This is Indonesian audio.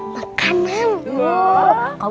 kita mau bagi bagi makanan